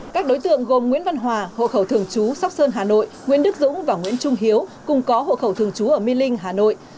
các đối tượng gồm nguyễn văn hòa hộ khẩu thường trú sóc sơn hà nội nguyễn đức dũng và nguyễn trung hiếu cùng có hộ khẩu thường trú ở mê linh hà nội